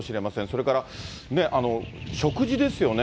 それから食事ですよね。